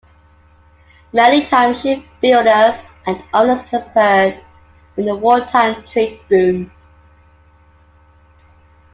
Maritime ship builders and owners prospered in the wartime trade boom.